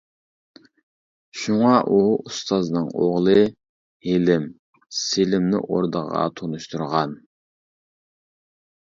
شۇڭا ئۇ ئۇستازنىڭ ئوغلى ھېلىم، سېلىمنى ئوردىغا تونۇشتۇرغان.